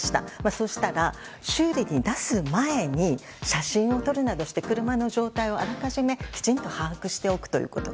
そうしたら修理に出す前に写真を撮るなどして車の状態をあらかじめきちんと把握しておくということ。